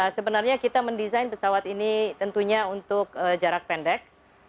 sebenarnya kita mendesain pesawat ini tentunya untuk jarak pendek